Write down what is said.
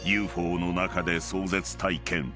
［ＵＦＯの中で壮絶体験］